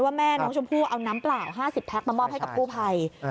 แม่น้องชมพู่เอาน้ำเปล่า๕๐แพ็คมามอบให้กับกู้ภัย